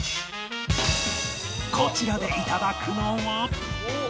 こちらでいただくのは